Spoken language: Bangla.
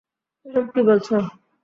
এসব কী বলছ?